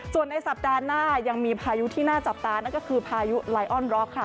ส่วนในสัปดาห์หน้ายังมีพายุที่น่าจับตานั่นก็คือพายุไลออนบร็อกค่ะ